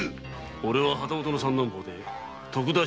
おれは旗本の三男坊で徳田新之助だ。